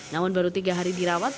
namun baru tiga hari dirawat